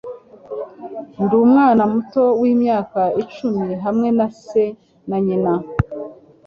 Ndi umwana muto wimyaka icumi hamwe na se na nyina